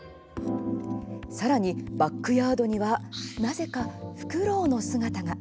さらに、バックヤードにはなぜか、ふくろうの姿が。